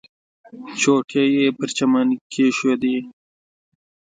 چوټې یې پر چمن کېښودې.